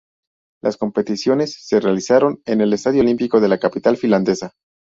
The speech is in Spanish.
Las competiciones se realizaron en el Estadio Olímpico de la capital finlandesa.